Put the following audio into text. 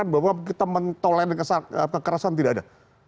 bahwa kita mentoler kekerasan tidak ada